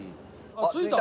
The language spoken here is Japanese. あっ着いた。